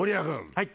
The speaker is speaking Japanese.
はい。